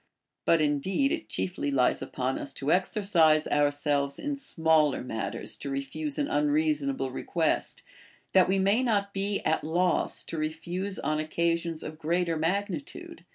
But indeed it chiefly lies upon us to exer cise ourselves in smaller matters to refuse an unreasonal)k' request, that we may not be at loss how to refuse on occa sions of greater magnitude.